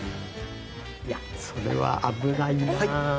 いやそれは危ないなぁ。